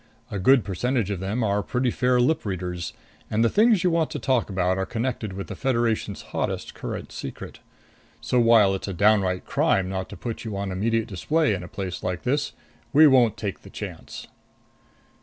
A good percentage of them are pretty fair lip readers, and the things you want to talk about are connected with the Federation's hottest current secret. So while it's a downright crime not to put you on immediate display in a place like this, we won't take the chance."